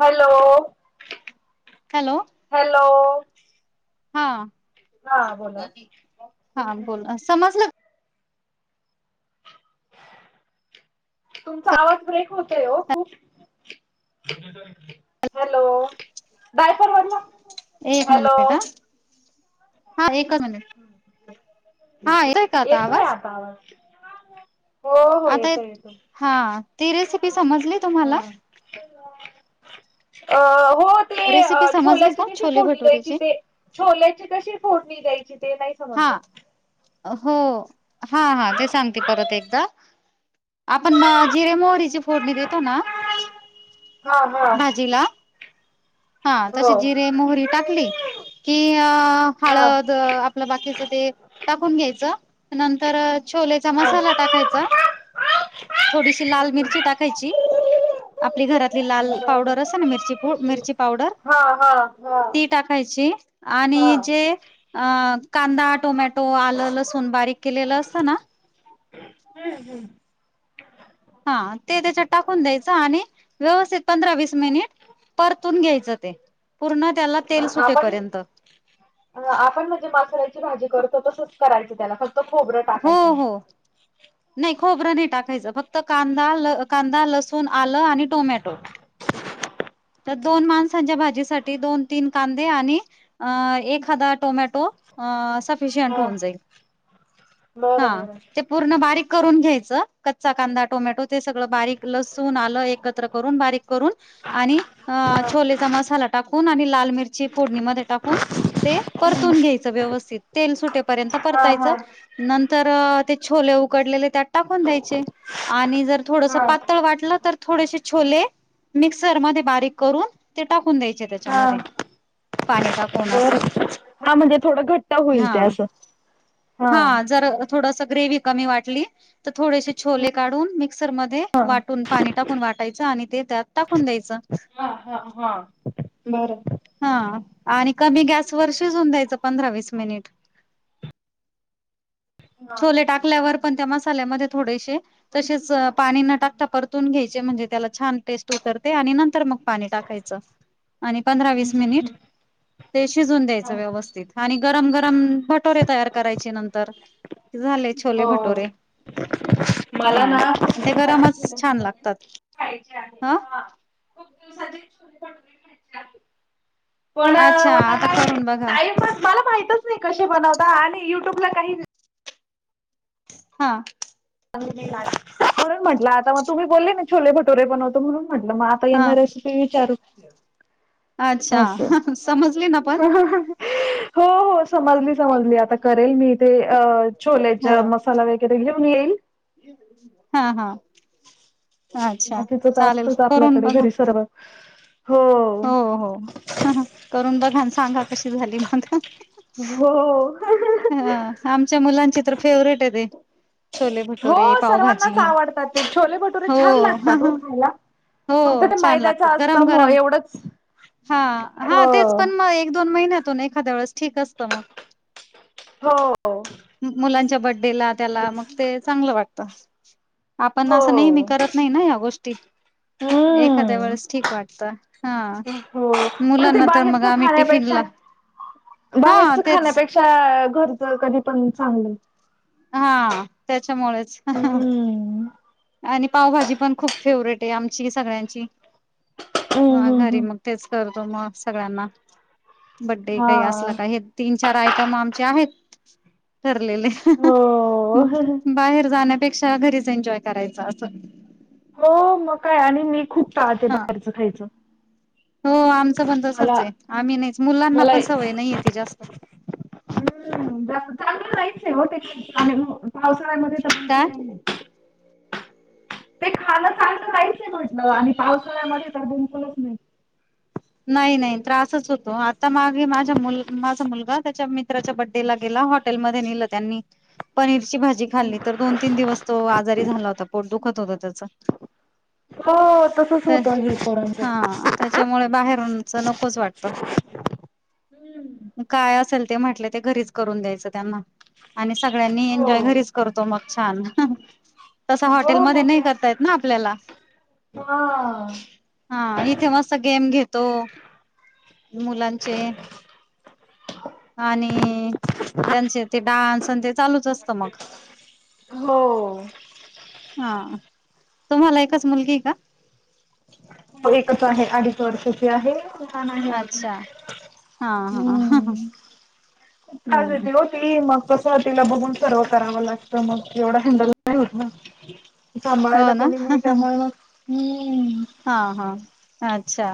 Hello. Hello. Hello. हा. हा बोला हा. बोला. समजल तुमचा आवाज ब्रेक होतोय हो खूप. हॅलो. काय परवडला? एक मिनिट ह. हा एकच मिनिट. हा येतोय का आता आवाज? हो हो आता येतोय येतो. हा ती रेसिपी समजली तुम्हाला? हा अ हो‍ ते रेसिपी समजली छोल्याची का कशी छोले फोडणी द्यायची भटुरेची ते छोल्याची कशी फोडणी द्यायची ते नाही? हा, समजलं हो, हा हा ते सांगते परत एकदा. आपण म जिरे, मोहरीची फोडणी देतो ना हा हा भाजीला‍ हा तशी हो जिरे मोहरी टाकली की अ हा हळद, आपलं बाकीच ते टाकून घ्यायचं नंतर. छोलेचा बर मसाला टाकायचा. थोडीशी लाल मिरची टाकायची. आपली घरातली लाल पावडर अस ना मिरची पुड मिरची ची पावडर हा हा हा ती टाकायची हा आणि जे, कांदा, टोमॅटो, आलं, लसूण बारीक केलेलं असतं ना? हम्म. हम्म. हा ते त्याच्यात टाकून द्यायचं आणि व्यवस्थित पंधरा वीस मिनिट, परतून घ्यायचं ते. पूर्ण त्याला तेल आपण सुटेपर्यंत. आपण म्हणजे मासाल्याची भाजी करतो तसंच करायचं त्याला फक्त खोबरं हो. टाकायचं हो. नाही खोबरं नाही टाकायचं फक्त कांदा कांदा, लसू आलं आणि टोमॅटो. दोन माणसांच्या भाजीसाठी दोन-तीन कांदे आणि एखादा टोमॅटो, तो सफिशियंट हा होऊन जाईल. हा बरं बरं ते पूर्ण बारीक करून घ्यायचं कच्चा कांदा, टोमॅटो ते सगळ बारीक लसूण आलं एकत्र करून बारीक करून आणि हा छोले मसाला टाकून आणि लाल मिरची फोडणी मध्ये, टाकून ते परतून घ्यायचं व्यवस्थित तेल सुटेपर्यंत हा हा परतायचं. नंतर ते छोले उकडलेले त्यात टाकून द्यायचे. आणि जर थोडस हा पातळ वाटलं तर, थोडेसे छोले मिक्सर मध्ये बारीक करून ते टाकून द्यायचे हा त्याच्यामध्ये. पाणी टाकून बर असं. हा म्हणजे थोडं घट्ट होईल हा. ते असं हा. जर थोडस ग्रेव्ही कमी वाटली, तर थोडेसे छोले काढून मिक्सरमध्ये हा वाटून पाणी टाकून वाटायचं आणि ते त्यात टाकून द्यायचं. हा. हा. हा. बरं. हा. आणि कमी गॅस वर शिजऊन द्यायचं पंधरा वीस मिनिट‌. [unintelligible] छोले टाकल्यावर पण त्या मसाल्यामध्ये थोडेसे, तसेच पाणी न टाकता परतून घ्यायचे म्हणजे त्याला छान टेस्ट उतरते आणि नंतर मग पाणी टाकायचं. [unintelligible] आणि पंधरा वीस, मिनिट ते शिजवून द्यायचं व्यवस्थित आणि गरम गरम भटोरे तयार करायचे नंतर. कि झाले छोले हो भटूरे. मला [inaudible] छान लागतात. खायचे आहेत हा ना. खूप दिवसाचे छोले भटुरे खायचे आहे. पण अच्छा मला आता काय करून बघा टाईम. मला माहितच? नाही कसे बनवता आणि युट्यूबला काही, हा. होय म्हटलं आता मग तुम्ही बोलले ना छोले भटोरे बनवतो म्हणून म्हटलं मग आ तर हा यांना रेसिपी विचारू अच्छा असं. समजली ना पण. हो हो समजली. समजली आता करेल मी इथे अह छोले हो चा मसाला वगैरे घेऊन येईल हा हा हा अच्छा बाकीच तर चालेल असतच करून आपल्याकडे बघू. घरी सर्व हो. हो हो हो, करून बघा अन सांगा कशी झाली मग ते. हो. आमच्या मुलांची तर फेवरेट आहे ते. छोले हो भटोरे, पावभाजी सर्वांनाच आवडतात ते छोले भटुरे हो. छान लागतात हो खायला. हो फक्त ते छान मैद्याच लागतात गरम असतं म गरम. एवढंच हा हा तेच हो. पण मग एक दोन महिन्यातून एखाद्या वेळेस ठीक असतं म हो. मुलांच्या बर्थडे ला त्याला मग ते चांगलं वाटत आपण असं नेहमी हो. करत नाही ना या गोष्टी. एखाद्या हम्म. वेळेस ठीक वाटतं बरं, हा हो पण ते मुलांना तर मग बाहेरच आम्ही खाण्यापेक्षा टिफीनला. बाहेरच खाण्यापेक्षा घरच कधी पण चांगलं हा त्याच्यामुळेच हम्म आणि पावभाजी पण खूप फेवरेट आहे आमची सगळ्यांची हम्म हां हम्म घरी हम्म. मग तेच करतो मग सगळ्यांना बड्डे काही असलं हा काही हे तीन चार आयटम आमचे आहेत ठरलेले. हो. बाहेर जाण्यापेक्षा घरीच एन्जॉय करायचं असं. हो मग काय आणि मी खूप तहते हा बाहेरच खायचं हो आमचं पण मला तसंच आहे आम्ही नाहीच मुलांना पण मला सवय नाहीये ते जास्त हम्म जास्त चांगलंय नाहीच आहे ओ [unintelligible] पावसाळ्यामध्ये तर बिलकुल काय नाहीये. ते खाणं चांगल नाहीच म्हटलं आणि पावसाळ्यामध्ये तर बिलकुलच नाही नाही नाही त्रास सच होतो. आता मागे माझ मु माझा मुलगा त्याच्या मित्राच्या बड्डेला गेला हॉटेलम ध्ये नेल त्यांनी पनीरची भाजी खाल्ली, तर दोन तीन दिवस तो आजारी झाला होता पोट दुखत होता त्याच. हो तसच तर होतं आणि हे पोरांचं हा त्याच्यामुळे बाहेरूनच नकोच वाटत. हम्म. काय असेल ते म्हटलं ते घरीच करून द्यायचं त्यांना आणि सगळ्यांनी हो एन्जॉय घरीच करतो मग छान तस हो हॉटेलमध्ये मग नाही काय करतायेत ना आपल्याला. हा. हां इथे मस्त गेम घेतो मुलांचे आणि त्यांचे ते डान्स अन ते चालूच असतं मग हो. हां, तुम्हाला एकच मुलगी आहे का? हो एकच आहे अडीच वर्षाची आहे. लहान आहे अजून अच्छा हा हा हम्म. खूप त्रास हम्म देती ओ ती मग कसं तिला बघून सर्व करावं लागतं मग एवढं हँडल नाही होतं ना. सांभाळायला हो ना कोणी नाही त्यामुळे मग हम. हा हा अच्छा.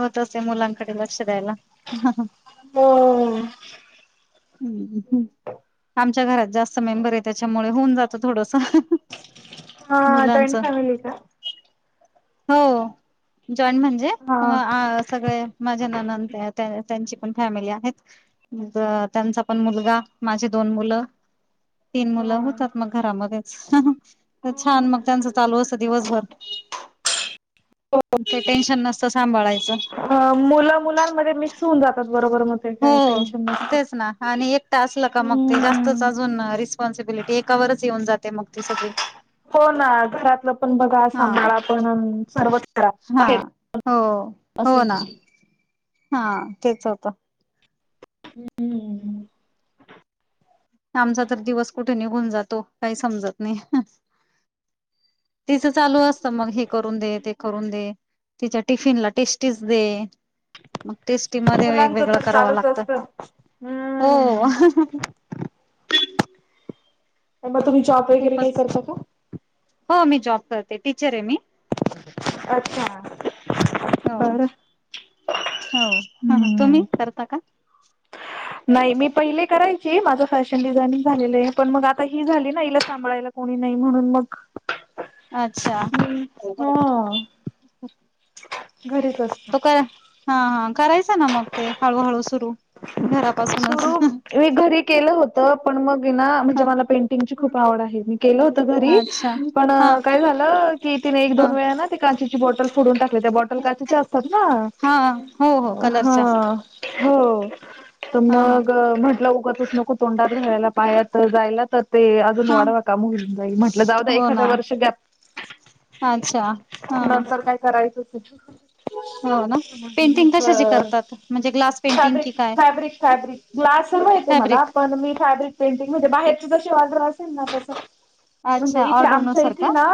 होतंच ते मुलांकडे लक्ष द्यायला. हो. हम ह. आमच्या घरात जास्त मेंबर आहे. त्याच्यामुळे होऊन जात थोडसं. हां. जॉइंट फॅमिली का? हो. जॉईन म्हणजे हम हा आ सगळे माझ्या नणंद त्या आहेत्या. त्या त्यांची पण फॅमिली आहेत. द त्यांचा पण मुलगा. माझी दोन मुलं तीन अ मुलं होतात मग घरामध्येच. तर छान मग त्यांचं चालू असतं दिवसभर. काही टेन्शन नसतं सांभाळायचं. अ मुलं मुलांमध्ये मिक्स होऊन जातात बरोबर मग. ते काही हो टेन्शन नसतं. तेच ना. आणि एकट असलं का मग ते जास्तच हम्म. अजून रिस् स्पॉनसिबिलिटी एकावरच येऊन जाते मग ती सगळी. हो ना. घरातलं पण बघा. सांभाळा पण अन सर्वच करा हां बाहेर हो हो असं ना होतं. हां तेच होतं. हम्म हम. आमचा तर दिवस कुठे निघून जातो काही समजत नाही. तिचं चालू असतं मग हे करून दे ते करून दे. तिच्या टिफिन ला टेस्टीच दे. मग टेस् टी मध्ये मुलांचं वेगवेगळं तर कराव चालूच लागत असतं. हो. हम्म. ए मग तुम्ही जॉब वगैरे खूपच. काही करता का? हो मी जॉब करते टीचर आहे मी. अच्छा हो बरं. हो. तुम्ही हम्म. करता का? नाही मी पहिले करायची. माझं फॅशन डिझायनिंग झालेलं आहे. पण मग आता ही झाली ना हिला सांभाळायला. कोणी नाही म्हणून मग अच्छा हम हं. घरीच अस काय हां हा. करायचं ना मग ते हळूहळू सुरू. घरापासूनच सुरू मी घरी केलं होत. पण मग ये ना म्हणजे हा मला पेंटिंगची खूप आवड आहे. मी केलं होत घरी अच्छा पण हा काय झालं, की तिने एक हा दोन वेळाना ते काचेची बॉटल फोडून टाकल्या त्या बॉटल काचेच्या असतात ना. आ हो. हो अ हा कलरच्या हो तर हा हा मग म्हटलं उगचच नको तोंडात घालायला पायात जायला तर ते अजून हा वाढवा काम होऊन जाईल. म्हटलं जाऊ दे हो एखादा ना वर्ष गॅप अच्छा हा नंतर काय करायचच की. हो ना. पेंटिंग कशाची मग करता तुम्ही? फॅब्रिक फॅब्रिक फॅब्रिक ग्लास म येते मला फॅब्रिक पण मी फॅब्रिक पेंटिंग मध्ये बाहेरचे जशी ऑर्डर असेल ना. तस म्हणजे अच्छा इथे ऑर्डर आमच्या नुसार इथे का ना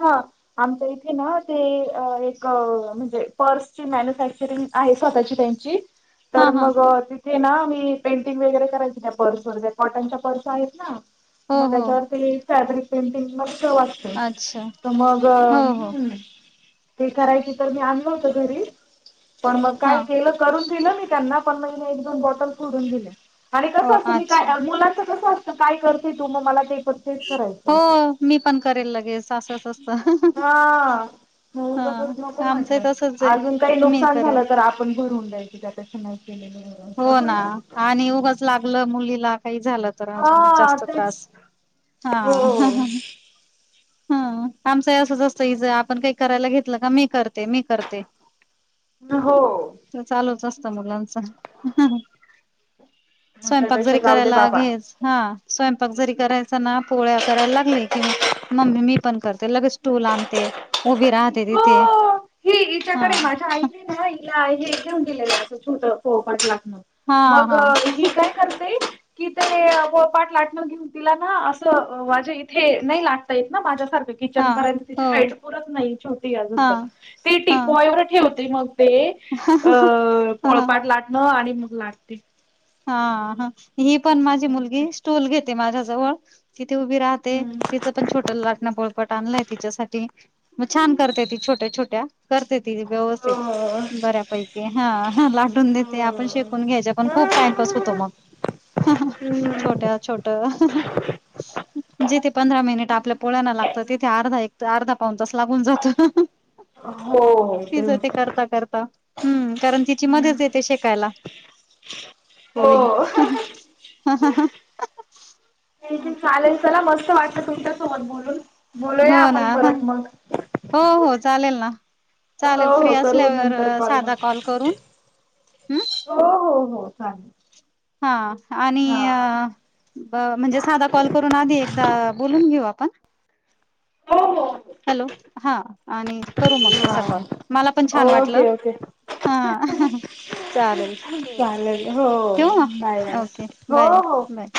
हा आमच्या इथे ना ते एक अ म्हणजे पर्सची मॅन्युफॅक्चरिंग आहे स्वतःची त्यांची हा तर हा मग अ तिथ ते ना मी पेंटिंग वगैरे करायची त्या पर्सवर ज्या कॉटनच्या पर्स आहेत ना. हो मग हो त्याच्यावरती फॅब्रिक पेंटिंग मग तेव्हा अच्छा तर मग हो हो हम्. ते करायचे तर मी आणल होत घरी. पणं मंग हा कायं केलं करूंन दिलं मी त्यांना पणं मंग एक दोन बॉटल फोडूंन दिले. आणि हो कसं असतं मी अच्छा कायं मुलांचं कसं असतं कायं करते तो मंग मलां ते- तेचं हो करायचं असं, मी पण करेल लगेच असंच असतं हां. म्हंण हा बसं नको आमचं म्हटलं, तसच आहे अजूंन कांहीं मी नुकसान करेल झालं तरं तरं आपणं भरवूंन द्यायची त्यां पेक्षा नाहीं केलेलं बरं हो नां असं. आणि उगंच लागलं मुलीलां कांहीं झालं. जरां सां हा जास्तं तेच त्रांस हो हां [inaudible] [unintelligible] हं आमचंही असंच असतं इजं आपणं कांहीं करांयला घेतलं कां मी करते मी करते. हो. तरं चालूं चं असतं मुलांचं. मग स्वयंपाक त्यापेक्षा जरी जाऊ दे करांयला बाबा गेचं- हां स्वयंपाक जरी करांयचा नां पोळ्यां करांयला लागले किंवा- मम्मी मी पणं करते लगेचं टूंल आणते ऊंभी राहते तिथे- हा. हिच्यांकडे माझ्यां आईने नां हिलां हे घेऊन दिलेलं असं छोट पोळंपाट लाटणं हा मंग हा ही कायं करते कि ते पाठ लाटणं घेऊंन- तिलां नां असं माझ्यां इथे नाहीं लाटतां येतं नां माझ्यांसारखे हा किचनं पर्यंत तिची हो हाईट पुरतं नाहीं छटी हा अजूनंतर ती हा टीपॉयवर ठेवते मंग. ते अं हा हा. पोळपाट लाटणं आणि मंग लाटं- हां हां ही पणं माझी मुलंगी स्टूंल घेते माझ्यांजवळं- तिथे उभी राहते, तिचं पणं छोटं लाटणं पोळपाट आणलंय तिच्यासांठी- मंग छांन करते ती छोट्यां छोट्यां करते ती व्यवस्थित. बऱ्यांपैकी हां हं लाटूंन देते. आपणं शेकूंन घ्यायचे, पणं खूंप- कसतो मंग हं हं. छोट्यां छोटं जिथे पंधरा मिनिटं आपल्या पोळ्यांना लागतं तिथे अर्धा एक- अर्धा पाऊन तासं लागूंन जातं हो हो तीचं ते करतां करतां. हम्मं कारणं तिची मंदत येते शेकांयला. पोळी हं हो हं. ठीक चालेल चलां मस्तं वाटतं तुमच्यांसोबतं बोलूंन. हो नां, हो- हो चालेल नां. चालेल हो फ्री हो करू असल्यांवर नंतर सांधा मग कॉल करूंन हम्मं. हो हो हो चालेल. हां आणि हा. अं- बरं म्हणजे सांधा कॉल करूंन आंधी एकदां बोलूंन घेऊं आपणं. हो हो. हॅलो हां आणि करूं मगं तसां कॉल हा मलां पणं छांन वाटलं. ओके ओके हां हं हं. चालेल ठीक आहे, चालेल हो ठेऊं बाय मंग, बाय ओके, हो बायं- हो. बायं.